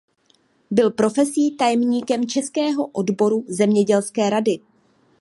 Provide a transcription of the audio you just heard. Byl profesí tajemníkem českého odboru zemědělské rady.